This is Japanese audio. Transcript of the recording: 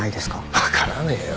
わからねえよ。